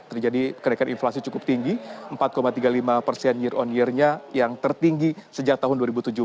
terjadi kenaikan inflasi cukup tinggi empat tiga puluh lima persen year on year nya yang tertinggi sejak tahun dua ribu tujuh belas